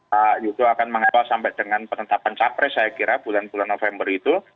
pak yudo akan mengawal sampai dengan penetapan capres saya kira bulan bulan november itu